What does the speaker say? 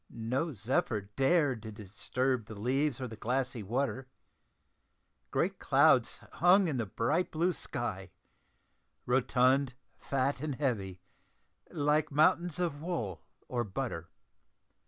No zephyr dared to disturb the leaves or the glassy water; great clouds hung in the bright blue sky rotund, fat, and heavy, like mountains of wool or butter.